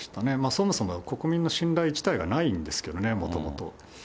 そもそもが国民の信頼自体がないんですけどね、もともと。